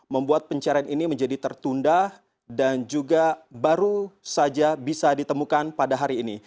membuat pencarian ini menjadi tertunda dan juga baru saja bisa ditemukan pada hari ini